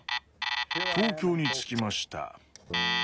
「東京に着きました。